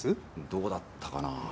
どうだったかな。